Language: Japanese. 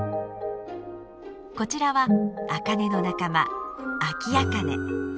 こちらはアカネの仲間アキアカネ。